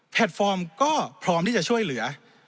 ฟอร์มก็พร้อมที่จะช่วยเหลือ